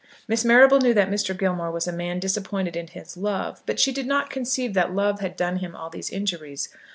Miss Marrable knew that Mr. Gilmore was a man disappointed in his love, but she did not conceive that love had done him all these injuries.